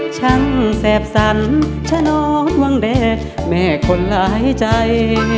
ฉันแสบสรรฉันนอนวังเดแม่คนหลายใจ